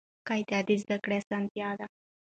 قاعده د زده کړي اسانتیا ده.